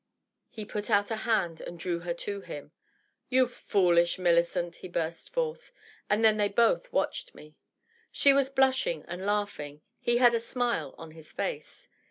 He put out a hand and drew her to him. "You foolish Millicentr* he burst forth. And then they both watched me. She was blushing and laughing ; he had a smile on his face.